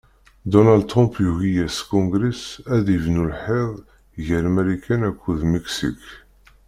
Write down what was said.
Dunald Trump yugi-as kungres ad yebnu lḥiḍ ger Marikan akked Miksik.